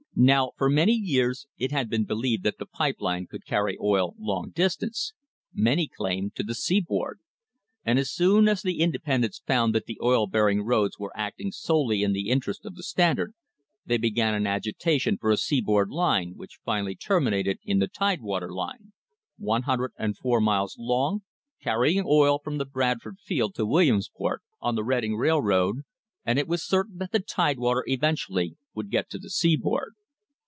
Now, for many years it had been believed that the pipe line could carry oil long distances many claimed to the seaboard and as soon as the independents found that the oil bearing roads were acting solely in the interest of the Standard they began an agitation for a seaboard line which finally terminated in the Tidewater Line, one hundred and four miles long, carrying oil from the Bradford field to Williamsport on the Reading Railroad, and it was certain that the Tidewater eventually would get to the seaboard.